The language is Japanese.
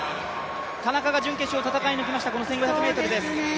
田中が準決勝戦い抜きました、この１５００ｍ準決勝です。